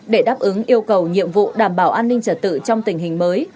để đáp ứng yêu cầu nhiệm vụ đảm bảo an ninh trật tự trong tình hình mới